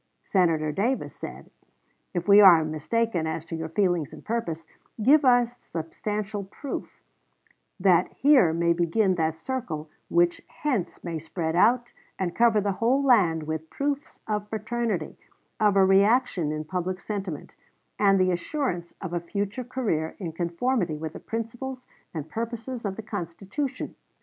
Senator Davis said, "If we are mistaken as to your feelings and purposes, give a substantial proof, that here may begin that circle which hence may spread out and cover the whole land with proofs of fraternity, of a reaction in public sentiment, and the assurance of a future career in conformity with the principles and purposes of the Constitution."